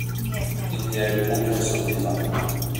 Il n'y a eu aucun survivant.